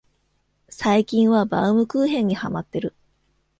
最近はバウムクーヘンにハマってる